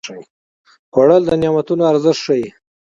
خوړل د نعمتونو ارزښت ښيي